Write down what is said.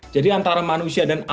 jadi antara manusia dan alam